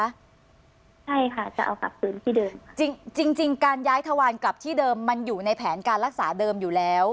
ใช่ค่ะจะเอากลับคืนที่เดิมจริงจริงการย้ายทวารกลับที่เดิมมันอยู่ในแผนการรักษาเดิมอยู่แล้ว